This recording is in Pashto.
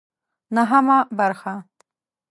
نهمه برخه